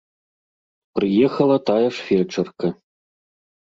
Прыехала тая ж фельчарка.